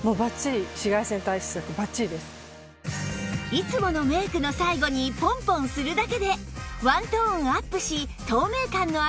いつものメイクの最後にポンポンするだけでワントーンアップし透明感のある仕上がりに